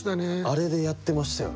あれでやってましたよ。